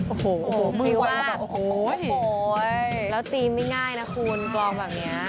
โอ้โหไม่ว่าโอ้โหแล้วทีมไม่ง่ายนะคุณกลองแบบนี้